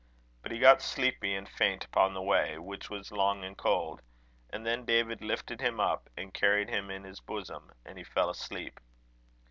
But he got sleepy and faint upon the way, which was long and cold; and then David lifted him up and carried him in his bosom, and he fell asleep.